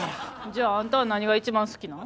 じゃああんたは何が一番好きなん？